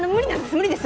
無理です。